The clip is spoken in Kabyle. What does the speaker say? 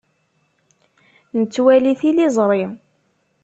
Nettwali tiliẓri.